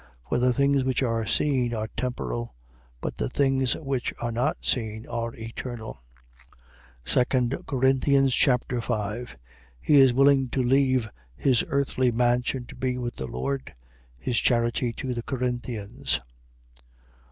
For the things which are seen are temporal: but the things which are not seen, are eternal. 2 Corinthians Chapter 5 He is willing to leave his earthly mansion to be with the Lord. His charity to the Corinthians.